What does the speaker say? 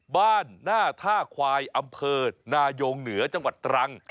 หน้าท่าควายอำเภอนายงเหนือจังหวัดตรัง